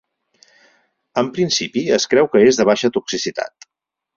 En principi, es creu que és de baixa toxicitat.